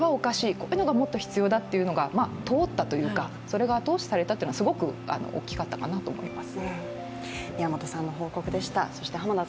こういうのがもっと必要なんだというのが通ったというか、それが後押しされたというのはすごく大きかったなと思います。